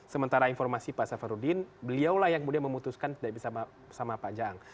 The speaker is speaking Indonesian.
sementara informasi pak safarudin beliaulah yang kemudian memutuskan tidak bisa sama pak jaang